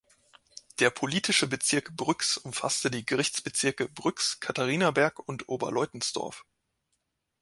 Der politische Bezirk Brüx umfasste die Gerichtsbezirke Brüx, Katharinaberg und Oberleutensdorf.